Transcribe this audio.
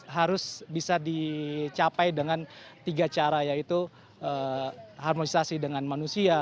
harus bisa dicapai dengan tiga cara yaitu harmonisasi dengan manusia